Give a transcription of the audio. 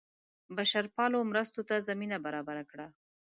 بشرپالو مرستو ته زمینه برابره کړه.